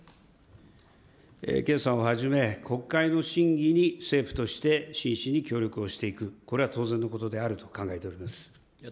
決算をはじめ、国会の審議に政府として真摯に協力をしていく、これは当然のことであると考えております。